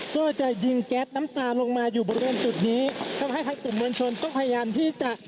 ก็จะยิงแก๊สน้ำตาลงมาอยู่บริเวณจุดนี้ทำให้ทางกลุ่มมวลชนต้องพยายามที่จะ